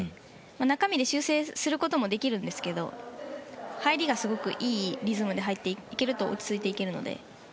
中身で修正することもできるんですが入りが、すごくいいリズムで入っていけると落ち着いていけるので。